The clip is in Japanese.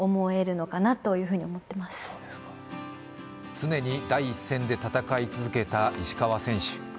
常に第一線で戦い続けた石川選手。